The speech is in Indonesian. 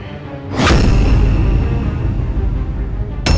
tidak saya tidak mencintai andin